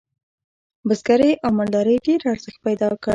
بزګرۍ او مالدارۍ ډیر ارزښت پیدا کړ.